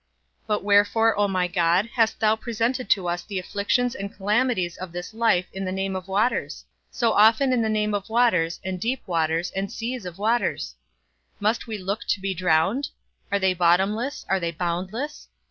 But wherefore, O my God, hast thou presented to us the afflictions and calamities of this life in the name of waters? so often in the name of waters, and deep waters, and seas of waters? Must we look to be drowned? are they bottomless, are they boundless?